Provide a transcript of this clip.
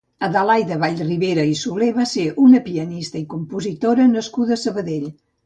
Adelaida Vallribera i Soler va ser una pianista i compositora nascuda a Sabadell.